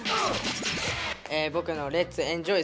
「ボクのレッツエンジョイ！